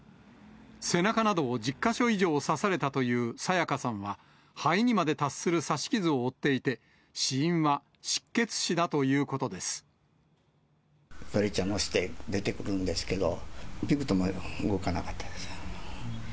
背中などを１０か所以上刺されたという彩加さんは、肺にまで達する刺し傷を負っていて、死因は失血死だということでストレッチャーに乗せて出てくるんですけど、ぴくりとも動かなかったです。